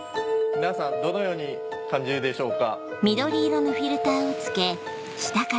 皆さんどのように感じるでしょうか？